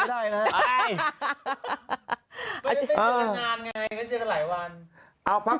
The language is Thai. ก็ยังไม่ได้ร่วมงานไงก็เจอกันหลายวัน